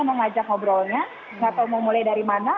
mau ngajak ngobrolnya tidak tahu mau mulai dari mana